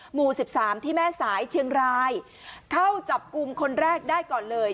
หมู่สิบสามที่แม่สายเชียงรายเข้าจับกลุ่มคนแรกได้ก่อนเลย